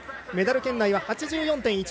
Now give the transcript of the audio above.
メダル圏内は８４．１５。